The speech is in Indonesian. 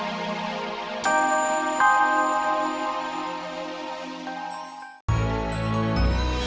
kakak tisna kenapa